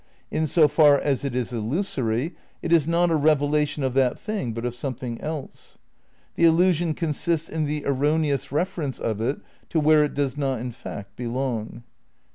In so far as it is illusory it is not a revelation of that thing but of something else. The illusion consists in the erroneous reference of it to where it does not in fact belong."